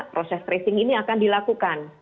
proses tracing ini akan dilakukan